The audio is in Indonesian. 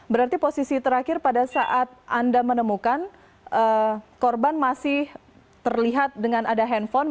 berarti posisi terakhir pada saat anda menemukan korban masih terlihat dengan ada handphone